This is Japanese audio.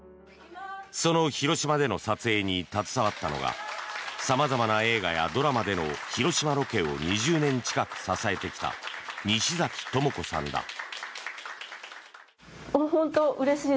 その広島での撮影に携わったのが様々な映画やドラマでの広島ロケを２０年近く支えてきた西崎智子さんだ。